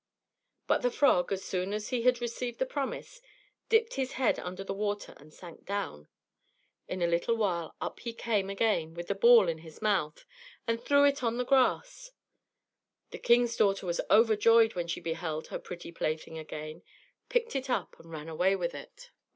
But the frog, as soon as he had received the promise, dipped his head under the water and sank down. In a little while up he came again with the ball in his mouth, and threw it on the grass. The king's daughter was overjoyed when she beheld her pretty plaything again, picked it up, and ran away with it.